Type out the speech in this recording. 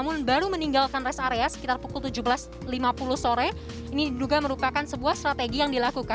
sebelum berangkat mereka bergerak memulai perjalanan bertepatan dengan waktu berbuka puasa